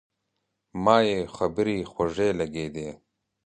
ما یې خبرې خوږې لګېدې.